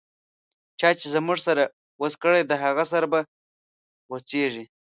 چا چی زموږه سر غوڅ کړی، د هغه سر به غو څیږی